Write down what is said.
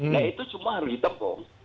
nah itu semua harus ditempung